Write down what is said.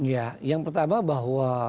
ya yang pertama bahwa